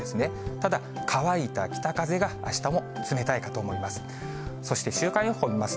ただ、乾いた北風があしたも冷たいかと思います。